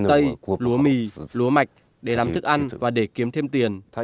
đồng tây lúa mì lúa mạch để làm thức ăn và để kiếm thêm tiền